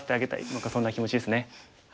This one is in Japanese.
何かそんな気持ちですね。